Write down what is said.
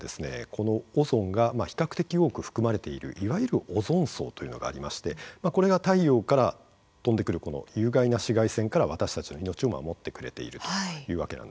このオゾンが比較的多く含まれているいわゆるオゾン層というのがありましてこれが太陽から飛んでくるこの有害な紫外線から私たちの命を守ってくれているというわけなんですね。